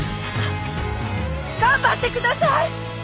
頑張ってください！